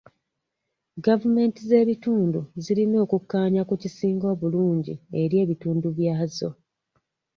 Gavumenti z'ebitundu zirina okukkaanya ku kisinga obulungi eri ebitundu byazo.